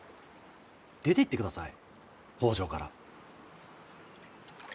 出ていってください北条から。